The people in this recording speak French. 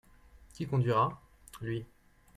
Qui conduira ?- Lui.